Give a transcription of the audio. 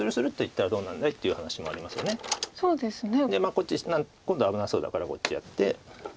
こっち今度は危なそうだからこっちやって。